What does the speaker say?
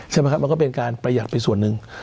ใช่ไหมครับมันก็เป็นการประหยัดไปส่วนหนึ่ง